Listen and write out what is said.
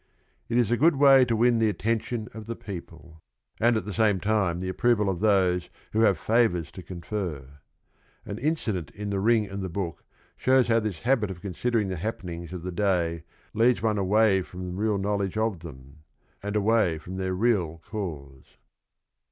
It is a good way to win the attention of the people, and at the same time the approval of those who have favors to confer. An incident in The Ring and the Book shows how this habit of consider ing the happenings of the day leads one away from real knowledge of them, and away from their real cause.